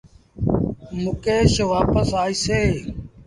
مڪيش وآپس آئيٚسي۔